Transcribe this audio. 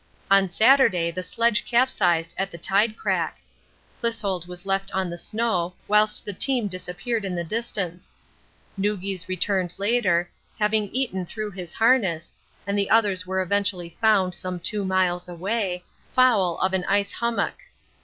On Saturday the sledge capsized at the tide crack; Clissold was left on the snow whilst the team disappeared in the distance. Noogis returned later, having eaten through his harness, and the others were eventually found some two miles away, 'foul' of an ice hummock.